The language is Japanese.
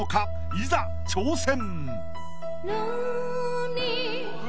［いざ挑戦］